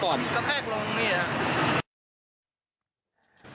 แพ่กลงทนี้นะครับ